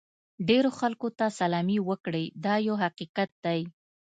ډېرو خلکو ته سلامي وکړئ دا یو حقیقت دی.